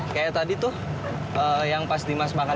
kayak tadi tuh yang pas dimas makan